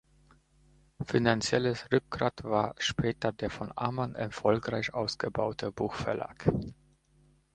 Finanzielles Rückgrat war später der von Amann erfolgreich ausgebaute Buchverlag.